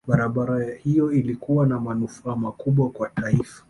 barabara hiyo ilikuwa na manufaa makubwa kwa taifa